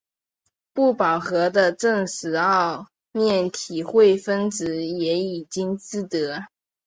不饱和的正十二面体烷分子也已经制得。